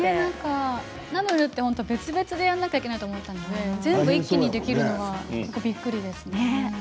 ナムルは別々にやらなければいけないと思ったので全部一気にできるのはびっくりです。